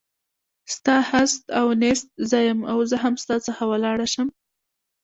ستا هست او نیست زه یم او زه هم ستا څخه ولاړه شم.